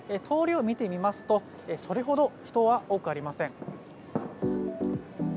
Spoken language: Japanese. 通りを見てみますと、それほど人は多くありません。